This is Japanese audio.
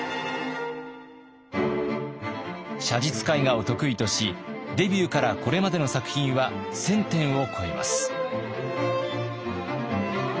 写実絵画を得意としデビューからこれまでの作品は１，０００点を超えます。